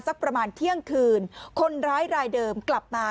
สักประมาณเที่ยงคืนคนร้ายรายเดิมกลับมา